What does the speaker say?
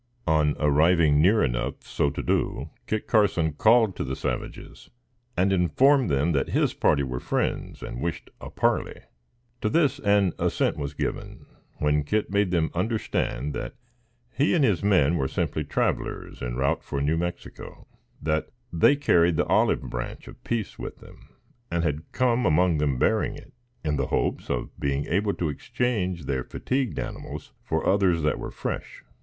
On arriving near enough so to do, Kit Carson called to the savages and informed them that his party were friends and wished a parley. To this an assent was given, when Kit made them understand that he and his men were simply travelers, en route for New Mexico; that they carried the olive branch of peace with them, and had come among them bearing it, in the hopes of being able to exchange their fatigued animals for others that were fresh.